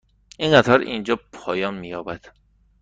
این قطار اینجا پایان می یابد.